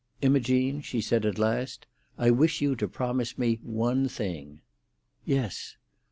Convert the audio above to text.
"Imogene," she said at last, "I wish you to promise me one thing." "Yes."